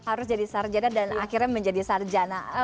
harus jadi sarjana dan akhirnya menjadi sarjana